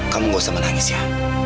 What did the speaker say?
kamu gak usah menangis ya